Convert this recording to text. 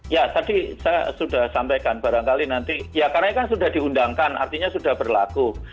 ya tadi saya sudah sampaikan barangkali nanti ya karena ini kan sudah diundangkan artinya sudah berlaku